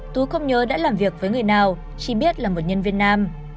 tú không nhớ đã làm việc với người nào chỉ biết là một nhân viên nam